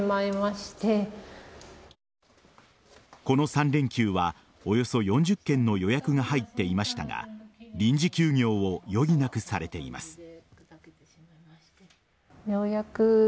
この３連休はおよそ４０件の予約が入っていましたが臨時休業を余儀なくされています。